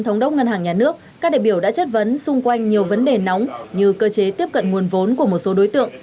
thống đốc ngân hàng nhà nước các đại biểu đã chất vấn xung quanh nhiều vấn đề nóng như cơ chế tiếp cận nguồn vốn của một số đối tượng